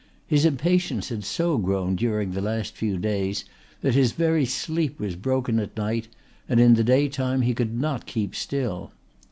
His impatience had so grown during the last few days that his very sleep was broken at night and in the daytime he could not keep still.